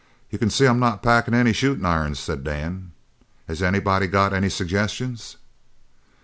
"You c'n see I'm not packin' any shootin' irons," said Dan. "Has anybody got any suggestions?"